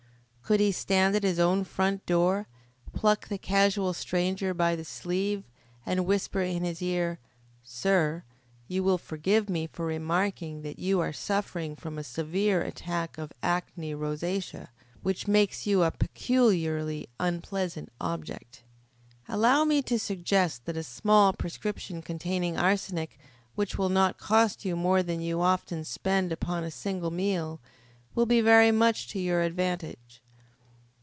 Could he stand at his own front door, pluck the casual stranger by the sleeve, and whisper in his ear, "Sir, you will forgive me for remarking that you are suffering from a severe attack of acne rosacea, which makes you a peculiarly unpleasant object. Allow me to suggest that a small prescription containing arsenic, which will not cost you more than you often spend upon a single meal, will be very much to your advantage."